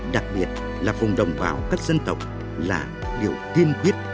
đặc biệt là vùng đồng bào các dân tộc là điều kiên quyết